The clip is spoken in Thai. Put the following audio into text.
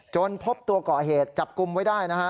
พบตัวก่อเหตุจับกลุ่มไว้ได้นะฮะ